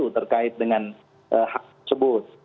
terkait dengan hak tersebut